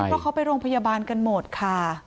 เพราะเขาไปโรงพยาบาลกันหมดค่ะ